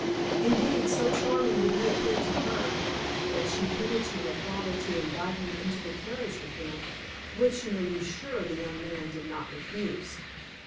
Indeed, so charming did he appear to her, that she hinted to her father to invite him into the carriage with them, which, you may be sure, the young man did not refuse.